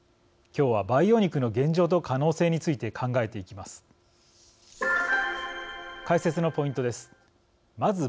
今日は、培養肉の現状と可能性について考えていきます。